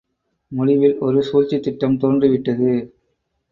முடிவில் ஒரு சூழ்ச்சித் திட்டம் தோன்றி விட்டது.